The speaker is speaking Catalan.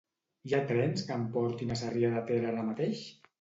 Hi ha trens que em portin a Sarrià de Ter ara mateix?